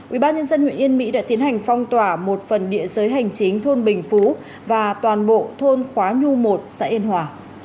ubnd huyện yên mỹ đã tiến hành phong tỏa một phần địa giới hành chính thôn bình phú và toàn bộ thôn khóa nhu một xã yên hòa